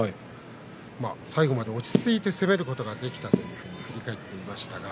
最後まで落ち着いて攻めることができたと振り返っていました。